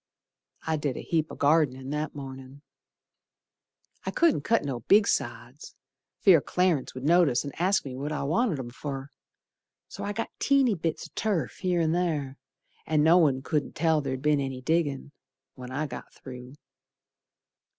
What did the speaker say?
I did a heap o' gardenin' That mornin'. I couldn't cut no big sods Fear Clarence would notice and ask me what I wanted 'em fer, So I got teeny bits o' turf here and ther, And no one couldn't tell ther'd be'n any diggin' When I got through.